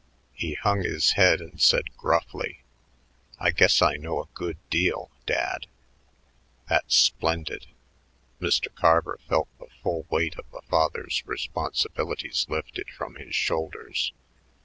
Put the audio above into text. He hung his head and said gruffly, "I guess I know a good deal Dad." "That's splendid!" Mr. Carver felt the full weight of a father's responsibilities lifted from his shoulders.